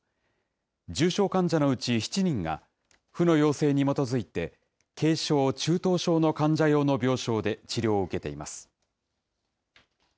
重症患者のうち７人が府の要請に基づいて、軽症・中等症の患者用の病床で治療を受けています。